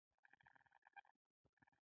چینایانو د دې آسونو غوښتنه کوله